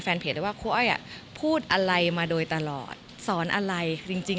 เพจได้ว่าครูอ้อยอ่ะพูดอะไรมาโดยตลอดสอนอะไรจริงจริง